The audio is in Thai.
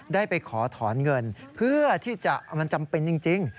ได้ไปขอถอนเงินเพื่อที่จะมันจำเป็นจริง